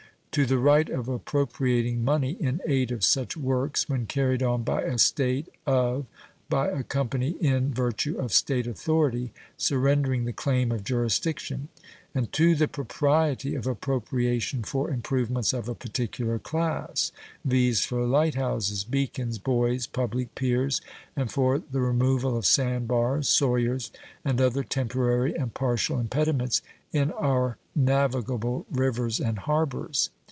To the right of appropriating money in aid of such works when carried on by a State of by a company in virtue of State authority, surrendering the claim of jurisdiction; and To the propriety of appropriation for improvements of a particular class, viz, for light houses, beacons, buoys, public piers, and for the removal of sand bars, sawyers, and other temporary and partial impediments in our navigable rivers and harbors.